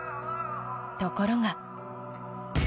ところが。